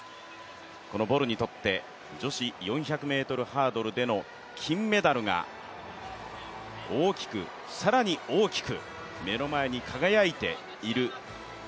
このボルにとって女子４００ｍハードルでの金メダルが大きく、更に大きく目の前に輝いている。